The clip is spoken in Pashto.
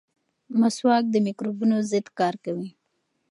مسواک د مکروبونو ضد کار کوي.